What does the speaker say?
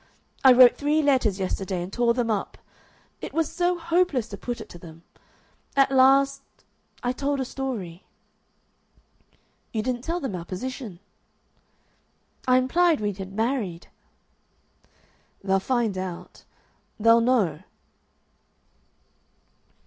I wrote three letters yesterday and tore them up. It was so hopeless to put it to them. At last I told a story." "You didn't tell them our position?" "I implied we had married." "They'll find out. They'll know."